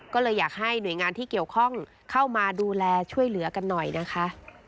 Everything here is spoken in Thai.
ก็เลยอยากให้หน่วยงานที่เกี่ยวข้องเข้ามาดูแลช่วยเหลือกันหน่อยนะคะ